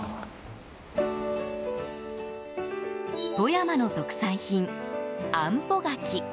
富山の特産品、あんぽ柿。